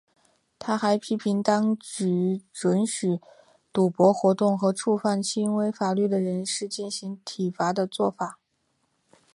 他还批评当局准许赌博活动和对触犯轻微罪行的人士施行体罚的作法。